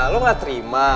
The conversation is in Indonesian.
lo gak terima